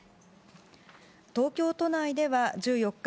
東京都内では１４日